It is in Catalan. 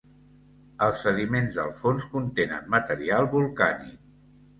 Els sediments del fons contenen material volcànic.